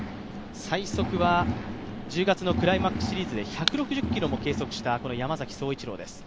最速は１０月のクライマックスシリーズで１６０キロも計測したこの山崎颯一郎です。